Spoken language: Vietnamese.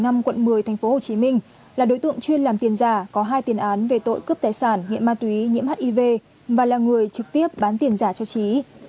mở rộng điều tra công an tỉnh đắk nông đã bắt nguyễn đức huy ở phường năm quận một mươi tp hcm là đối tượng chuyên làm tiền giả có hai tiền án về tội cướp tài sản nghiệm ma túy nhiễm hiv và là người trực tiếp bán tiền giả cho trí